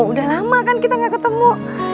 udah lama kan kita gak ketemu